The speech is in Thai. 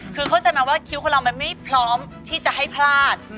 คือเข้าใจมาว่าคิวก็ไม่พร้อมที่จะให้พลาด